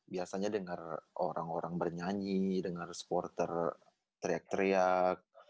biasanya dengar orang orang bernyanyi dengar supporter teriak teriak